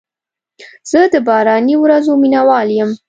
زه د باراني ورځو مینه وال یم.